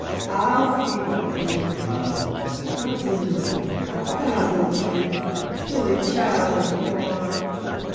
I'll see what can be done. Adieu! a thousand thanks, silly child as you are."